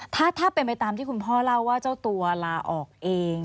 ถ้าเป็นไปตามที่คุณพ่อเล่าว่าเจ้าตัวลาออกเอง